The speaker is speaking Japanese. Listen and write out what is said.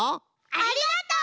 ありがとう！